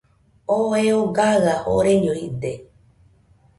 Oo eo gaɨa joreño jide.